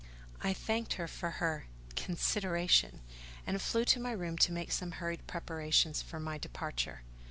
I thanked her for her "consideration," and flew to my room to make some hurried preparations for my departure.